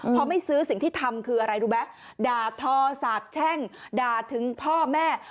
พอไม่ซื้อสิ่งที่ทำคืออะไรรู้ไหมด่าทอสาบแช่งด่าถึงพ่อแม่